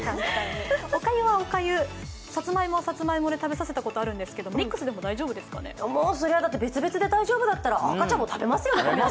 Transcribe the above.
おかゆはおかゆ、さつまいもはさつまいもで食べさせたことあるんですけど別々で大丈夫だったら赤ちゃんも食べますよね。